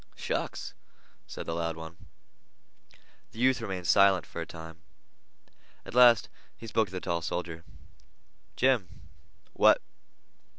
"Shucks!" said the loud one. The youth remained silent for a time. At last he spoke to the tall soldier. "Jim!" "What?"